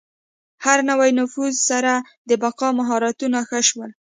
هر نوي نفوذ سره د بقا مهارتونه ښه شول.